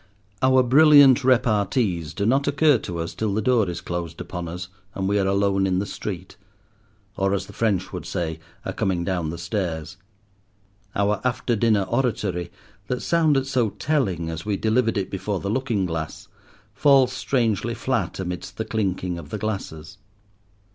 Our brilliant repartees do not occur to us till the door is closed upon us and we are alone in the street, or, as the French would say, are coming down the stairs. Our after dinner oratory, that sounded so telling as we delivered it before the looking glass, falls strangely flat amidst the clinking of the glasses.